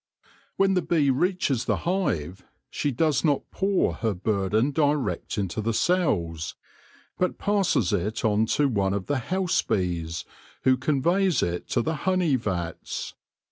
When the bee reaches the hive she does not pour her burden direct into the cells, but passes it on to one of the house bees, who conveys it to the honey vats.